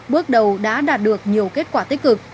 bước đầu đã đạt được nhiều kết quả tích cực